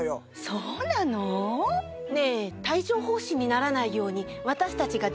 そうなの？ねぇ。